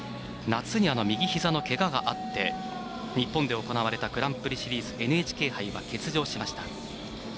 夏に右ひざのけががあって日本で行われたグランプリシリーズＮＨＫ杯は欠場しました。